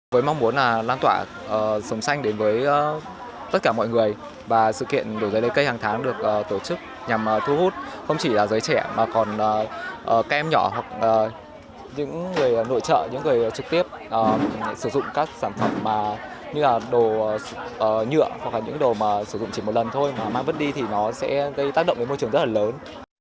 với mong muốn là lan tỏa sống xanh đến với tất cả mọi người và sự kiện đổi giấy lấy cây hàng tháng được tổ chức nhằm thu hút không chỉ là giấy trẻ mà còn các em nhỏ hoặc những người nội trợ những người trực tiếp sử dụng các sản phẩm như là đồ nhựa hoặc là những đồ mà sử dụng chỉ một lần thôi mà mang vất đi thì nó sẽ tác động đến môi trường rất là lớn